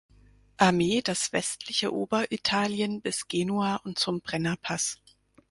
Armee das westliche Oberitalien bis Genua und zum Brennerpass.